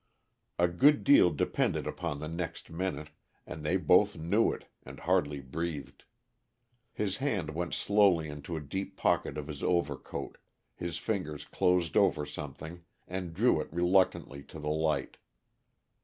A good deal depended upon the next minute, and they both knew it, and hardly breathed. His hand went slowly into a deep pocket of his overcoat, his fingers closed over something, and drew it reluctantly to the light.